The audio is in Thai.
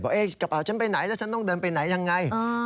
เกิดจะบอกเอ๊ะกระเป๋าฉันไปไหนและฉันต้องเดินไปไหนยังไง